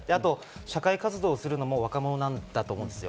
社会活動するのも若者だと思うんです。